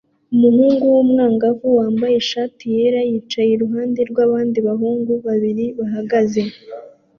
Umuhungu w'umwangavu wambaye ishati yera yicaye iruhande rwabandi bahungu babiri bahagaze